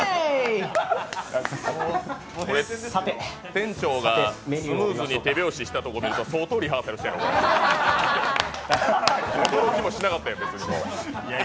店長がスムーズに手拍子したところを見ると、相当、リハーサルしたやろな、これ驚きもしなかった、別に。